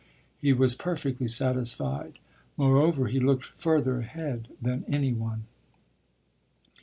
He was perfectly satisfied; moreover, he looked further ahead than any one.